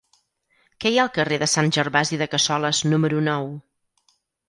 Què hi ha al carrer de Sant Gervasi de Cassoles número nou?